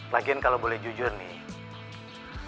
lagian kalau boleh jujur nih